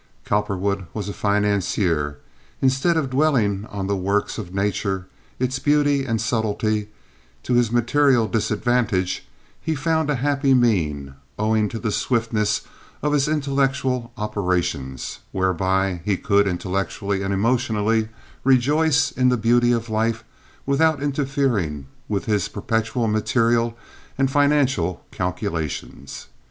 Cowperwood was a financier. Instead of dwelling on the works of nature, its beauty and subtlety, to his material disadvantage, he found a happy mean, owing to the swiftness of his intellectual operations, whereby he could, intellectually and emotionally, rejoice in the beauty of life without interfering with his perpetual material and financial calculations.